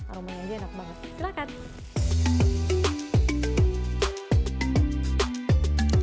aromanya aja enak banget